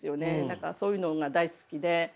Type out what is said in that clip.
何かそういうのが大好きで。